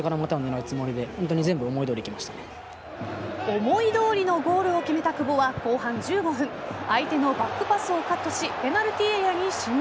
思いどおりのゴールを決めた久保は、後半１５分相手のバックパスをカットしペナルティーエリアに侵入。